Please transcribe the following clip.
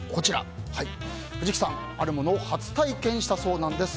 藤木さん、あるものを初体験したそうなんです。